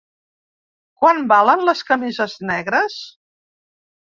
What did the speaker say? Quant valen les camises negres?